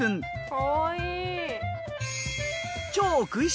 かわいい！